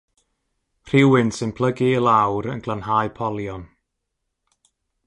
Rhywun sy'n plygu i lawr yn glanhau polion.